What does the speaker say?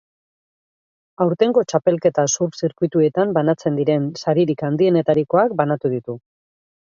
Aurtengo txapelketa surf zirkuituetan banatzen diren saririk handienetarikoak banatu ditu.